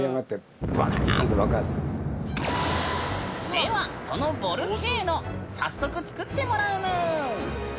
ではそのボルケーノ早速、作ってもらうぬん。